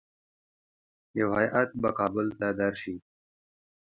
یو هیات به کابل ته درسي.